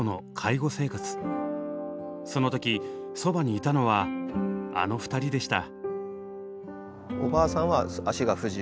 その時そばにいたのはあの２人でした。